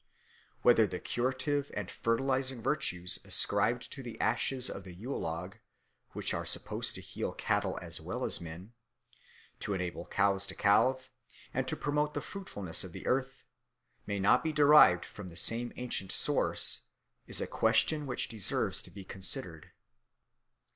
Whether the curative and fertilising virtues ascribed to the ashes of the Yule log, which are supposed to heal cattle as well as men, to enable cows to calve, and to promote the fruitfulness of the earth, may not be derived from the same ancient source, is a question which deserves to be considered.